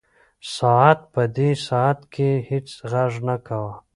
ساعت په دې ساعت کې هیڅ غږ نه کاوه.